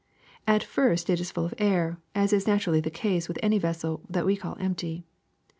At first it is full of air, as is naturally the case with any vessel that we call empty.